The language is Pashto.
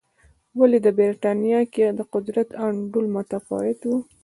ولې د برېټانیا کې د قدرت انډول متفاوت و.